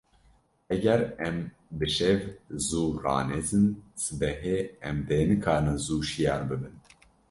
Heger em bi şev zû ranezin, sibehê em dê nikarin zû şiyar bibin.